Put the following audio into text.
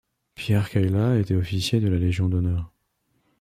Pierre Cayla était officier de la Légion d'honneur.